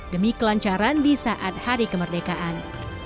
demi kelancaran di saat hari kemerdekaan